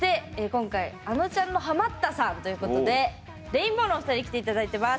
今回あのちゃんのハマったさんということでレインボーのお二人に来て頂いてます！